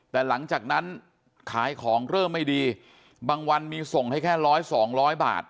แต่หลังจากนั้นขายของเริ่มไม่ดีบางวันมีส่งให้แค่ร้อยสองร้อยบาท